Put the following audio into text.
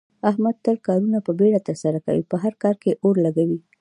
احمد تل کارونه په بیړه ترسره کوي، په هر کار کې اور لگوي.